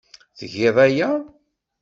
Tgiḍ aya.